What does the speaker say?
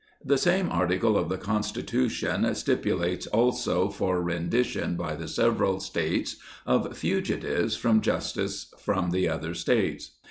The same article of the Constitution stipulates also for rendition by the several States of fugitives from justice from the other States.